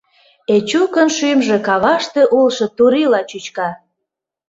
Эчукын шӱмжӧ каваште улшо турийла чӱчка.